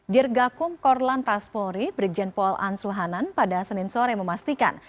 dirgakum korlantas polri brigjen pol ansuhanan pada senin sore memastikan